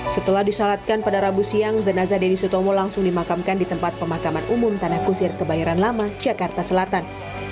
setelah disolatkan pada rabu siang jenazah deni sutomo langsung dimakamkan di tempat pemakaman umum tanah kusir kebayoran lama jakarta selatan